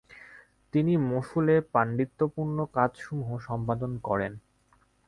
তিনি মসুলে পাণ্ডিত্যপূর্ণ কাজসমূহ সম্পাদন করেন।